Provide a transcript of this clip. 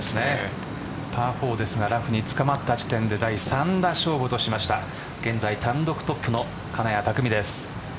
パー４ですがラフにつかまった時点で第３打勝負としました現在、単独トップの金谷拓実です。